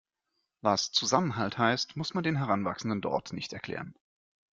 Was Zusammenhalt heißt, muss man den Heranwachsenden dort nicht erklären.